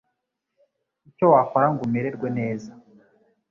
icyo wakora ngo umererwe neza